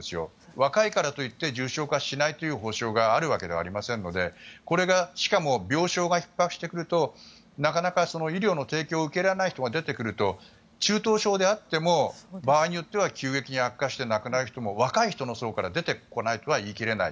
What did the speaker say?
若いからといって重症化しないという保証があるわけではありませんのでこれがしかも病床がひっ迫してくるとなかなか医療の提供が受けられない人が出てくると中等症であっても場合によっては重症化して亡くなる人も若い人の層から出てこないとは言い切れない。